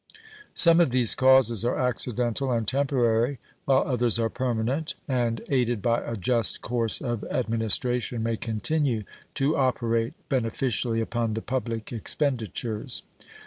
Some of these causes are accidental and temporary, while others are permanent, and, aided by a just course of administration, may continue to operate beneficially upon the public expenditures.